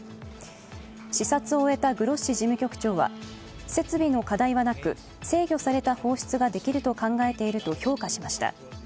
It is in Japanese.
視察を終えたグロッシ事務局長は設備の課題はなく、制御された放出ができると考えていると評価しました。